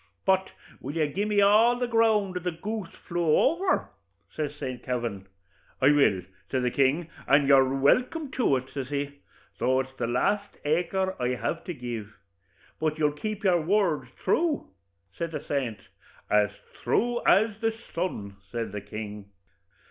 'But will you gi'e me all the ground the goose flew over?' says Saint Kavin. 'I will,' says King O'Toole, 'and you're welkim to it,' says he, 'though it's the last acre I have to give.' 'But you'll keep your word thrue?' says the saint. 'As thrue as the sun,' says the king.